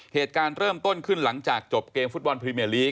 เหตุการณ์เริ่มต้นขึ้นหลังจากจบเกมฟุตบอลพรีเมียลีก